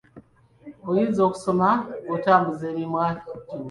Oyinza okusoma ng'otambuza emimwa gyo.